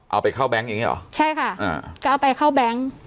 เอาไปเข้าแบงค์อย่างเงี้เหรอใช่ค่ะอ่าก็เอาไปเข้าแบงค์